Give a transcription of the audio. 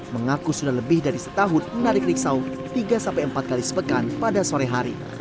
mengaku sudah lebih dari setahun menarik riksau tiga empat kali sepekan pada sore hari